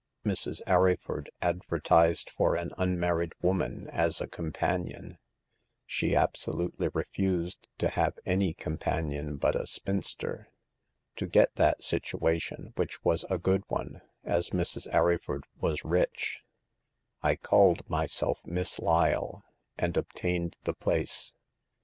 Mrs. Arryford ad vertised for an unmarried woman as a com panion ; she absolutely refused to have any com panion but a spinster. To get the situation, which was a good one, as Mrs, Arryford was rich^ « 84 Hagar of the Pawn Shop. I called myself Miss Lyle, and obtained the place.